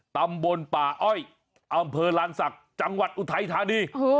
ตำบลป่าอ้อยอำเภอลานศักดิ์จังหวัดอุทัยธานี